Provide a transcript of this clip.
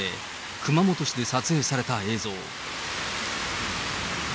熊本市で撮影された映像。